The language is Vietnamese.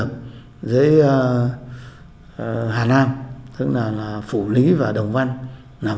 cái tâm tư nguyện vọng người dân